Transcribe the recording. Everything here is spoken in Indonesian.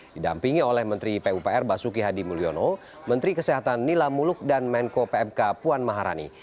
didampingi oleh menteri pupr basuki hadi mulyono menteri kesehatan nila muluk dan menko pmk puan maharani